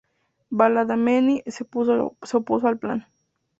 Badalamenti se opuso al plan.